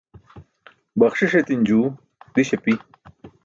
baxṣiṣ etin juu diś api